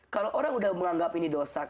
kalau orang sudah menganggap ini dosa